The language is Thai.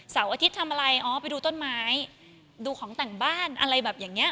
อาทิตย์ทำอะไรอ๋อไปดูต้นไม้ดูของแต่งบ้านอะไรแบบอย่างเงี้